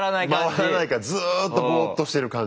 回らないからずっとボーッとしてる感じ。